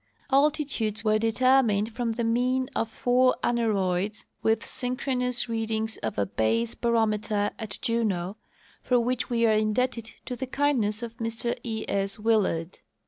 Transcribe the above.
Altitudes were determined from the mean of four aneroids with synchronous readings of a base barometer at Juneau, for which we are indebted to the kindness of Mr E. S. Willard.